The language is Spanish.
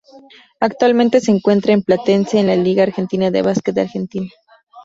Actualmente se encuentra en Platense, en la La Liga Argentina de Básquet de Argentina.